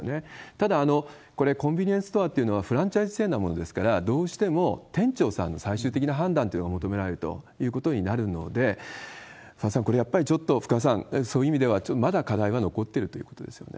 ただ、これ、コンビニエンスストアというのはフランチャイズ制なものですから、どうしても店長さんに、最終的な判断というのを求められるということになるので、福和さん、やっぱりちょっと福和さん、そういう意味ではまだ課題は残ってるということですよね。